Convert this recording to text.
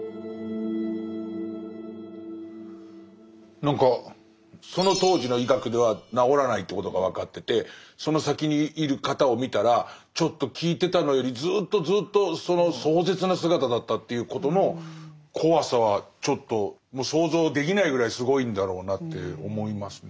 何かその当時の医学では治らないということが分かっててその先にいる方を見たらちょっと聞いてたのよりずっとずっとその壮絶な姿だったということの怖さはちょっともう想像できないぐらいすごいんだろうなって思いますね。